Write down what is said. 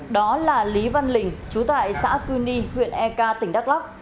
đó là lý văn lình chú tại xã cuy ni huyện eka tỉnh đắk lắk